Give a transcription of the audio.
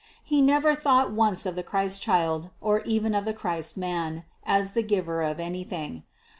He never thought once of the Christ child, or even of the Christ man, as the giver of anything.